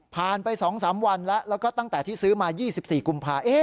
ไป๒๓วันแล้วแล้วก็ตั้งแต่ที่ซื้อมา๒๔กุมภา